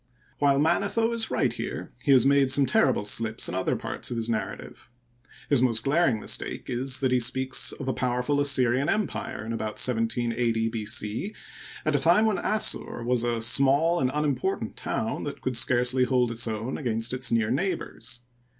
While Manetho is right here, he has made some terrible slips in other parts of his narrative. His most glaring mistake is, that he speaks of a powerful As syrian empire in about 1780 B. C, at a time when Assur was a small and unimportant town that could scarcely hold its own against its near neighbors.